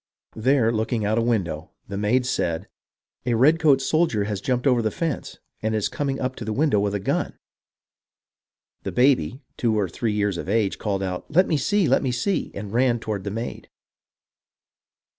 There, looking out of the window the maid said :— "A redcoat soldier has jumped over the fence, and is coming up to the window with a gun." The baby, two years of age, called out, " Let me see ! Let me see !" and ran toward the maid.